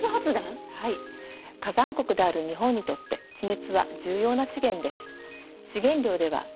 火山国である日本にとって地熱は重要な資源です。